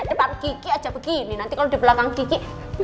depan gigi aja begini nanti kalo di belakang gigi